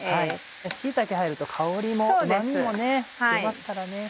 椎茸入ると香りもうま味も出ますからね。